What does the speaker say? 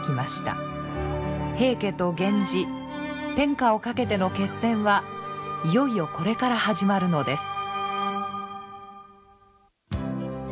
平家と源氏天下をかけての決戦はいよいよこれから始まるのです。